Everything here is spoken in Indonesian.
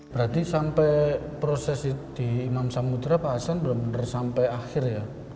berarti sampai proses di imam samudera pak hasan belum benar sampai akhir ya